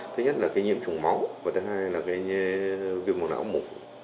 thứ nhất là nhiễm trùng máu và thứ hai là viêm mồm não mụn